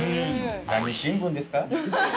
◆何新聞ですか？